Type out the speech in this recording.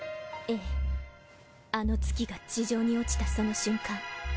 ええあの月が地上に落ちたその瞬間